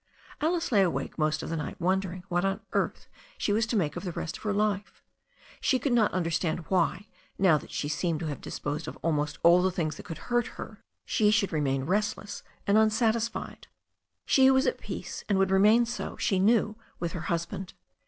Alice lay awake most of that night wondering what on earth she was to make of the rest of her life. She could not understand why, now that she seemed to have disposed of almost all the things that could hurt her, she should re THE STORY OF A NEW ZEALAND RIVER 391 main restless and unsatisfied. She was at peace and would remain so, she knew, with her husband.